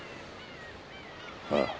ああ。